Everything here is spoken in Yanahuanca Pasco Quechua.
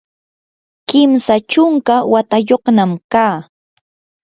kimsa chunka watayuqnami kaa.